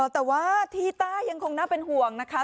แต่ว่าที่ใต้ยังคงน่าเป็นห่วงนะคะ